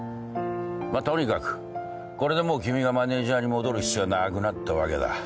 まあとにかくこれでもう君がマネジャーに戻る必要はなくなったわけだ。